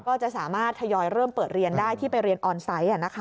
ก็จะสามารถทยอยเริ่มเปิดเรียนได้ที่ไปเรียนออนไซต์